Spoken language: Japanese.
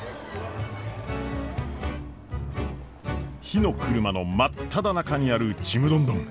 火の車の真っただ中にあるちむどんどん。